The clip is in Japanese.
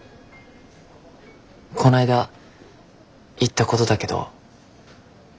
こないだ言ったごどだけど。